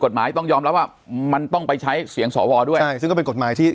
กฏหมายต้องยอมแล้วว่ามันต้องไปใช้เสียงส่อวอด้วยใช่ซึ่งก็เป็นกฏหมายที่